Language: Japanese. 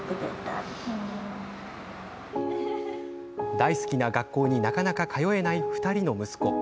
大好きな学校になかなか通えない２人の息子。